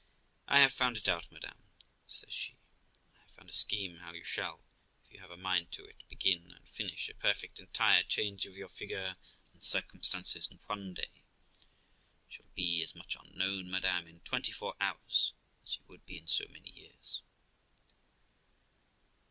'I have found it out, madam', says she, 'I have found a scheme how you shall, if you have a mind to it, begin and finish a perfect entire change of your figure and circumstances in one day, and shall be as much unknown, madam, in twenty four hours as you would be in so many years.'